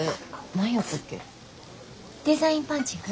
デザインパンチング？